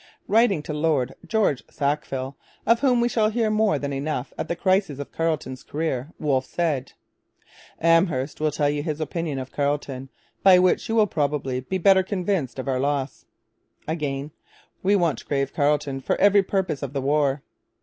Writing to Lord George Sackville, of whom we shall hear more than enough at the crisis of Carleton's career Wolfe said: 'Amherst will tell you his opinion of Carleton, by which you will probably be better convinced of our loss.' Again, 'We want grave Carleton for every purpose of the war.'